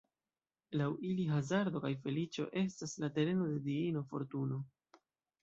Laŭ ili hazardo kaj feliĉo estas la tereno de diino Fortuno.